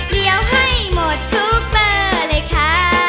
เดี๋ยวให้หมดทุกเบอร์เลยค่ะ